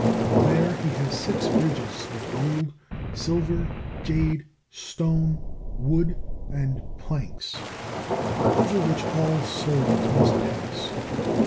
There he has six bridges, of gold, silver, jade, stone, wood, and planks, over which all souls must pass.